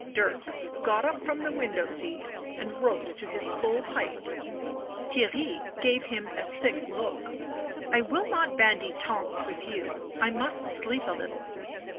Dirk got up from the window seat and rose to his full height. Theirry gave him a sick look. " 1 will not bandy taunts, with you. I must sleep a little."